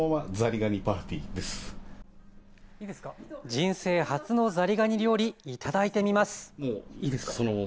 人生初のザリガニ料理頂いてみます。